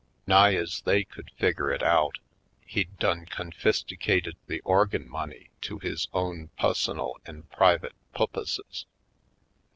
Nigh ez they could figger it out, he'd done confisticated the organ money to his own pussonal an' private pu'pposes.